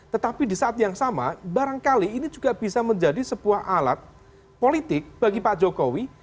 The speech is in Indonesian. tetapi di saat yang sama barangkali ini juga bisa menjadi sebuah alat politik bagi pak jokowi